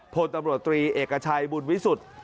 พลตำรวจตรีเอกชัยบุญวิสุทธิ์